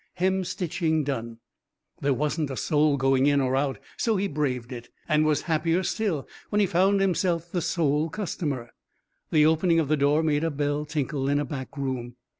Hemstitching Done. There wasn't a soul going in or out, so he braved it, and was happier still when he found himself the sole customer. The opening of the door made a bell tinkle in a back room.